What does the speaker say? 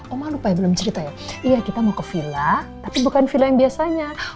oh ma lupa ya belum cerita ya iya kita mau ke villa tapi bukan villa yang biasanya